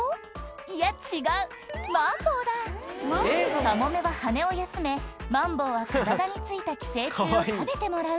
いや違うマンボウだカモメは羽を休めマンボウは体に付いた寄生虫を食べてもらうこのコンビ意外と相性がいいみたい